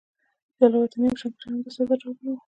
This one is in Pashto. جلا وطني او شکنجه هم د سزا ډولونه وو.